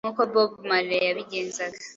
nk’uko Bob Marley yabigenzaga.